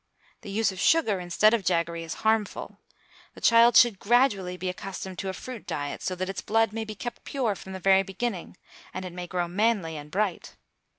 The use of sugar instead of jaggery is harmful. The child should gradually be accustomed to a fruit diet, so that its blood may be kept pure from the very beginning, and it may grow manly and bright.